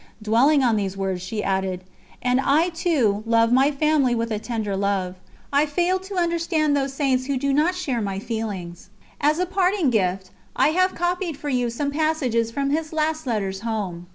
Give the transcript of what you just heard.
Dwelling on these words she added: "And I, too, love my family with a tender love; I fail to understand those Saints who do not share my feelings. As a parting gift I have copied for you some passages from his last letters home.